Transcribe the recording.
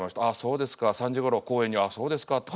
あそうですか３時ごろ公園にあそうですか」